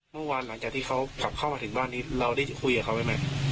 เมื่อวานหลังจากที่เขากลับเข้ามาถึงบ้านนี้เราได้คุยกับเขาไหม